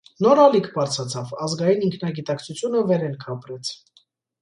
Նոր ալիք բարձրացավ, ազգային ինքնագիտակցությունը վերելք ապրեց։